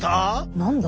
何だ？